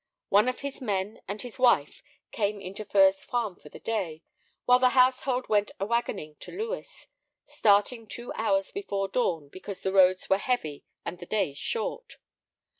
One of his men and his wife came into Furze Farm for the day, while the household went a wagoning to Lewes, starting two hours before dawn because the roads were heavy and the days short.